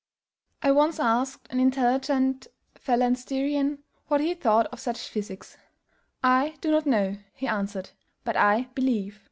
I once asked an intelligent phalansterian what he thought of such physics. "I do not know," he answered; "but I believe."